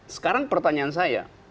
sekarang pertanyaan saya